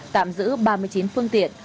tạm giữ ba mươi chín phương tiện